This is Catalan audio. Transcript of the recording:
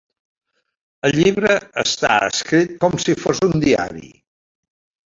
El llibre està escrit com si fos un diari.